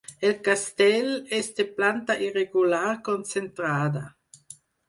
El castell és de planta irregular concentrada.